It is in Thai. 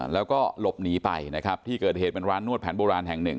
แล้วก็หลบหนีไปนะครับที่เกิดเหตุเป็นร้านนวดแผนโบราณแห่งหนึ่ง